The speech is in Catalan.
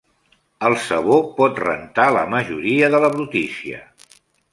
El sabó pot rentar la majoria de la brutícia.